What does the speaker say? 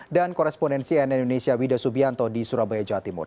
dan koresponensi cnn indonesia wida subianto di surabaya jawa timur